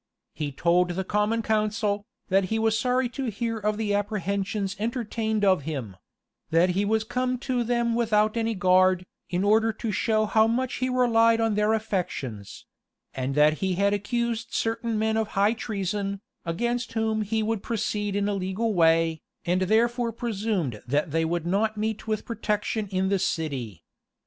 He told the common council, that he was sorry to hear of the apprehensions entertained of him; that he was come to them without any guard, in order to show how much he relied on their affections; and that he had accused certain men of high treason, against whom he would proceed in a legal way, and therefore presumed that they would not meet with protection in the city.